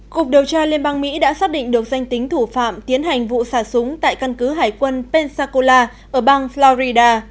cục điều tra liên bang mỹ đã xác định được danh tính thủ phạm tiến hành vụ xả súng tại căn cứ hải quân pensacola ở bang florida